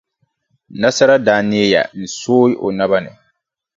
Nasara daa neeya n-sooi o naba ni.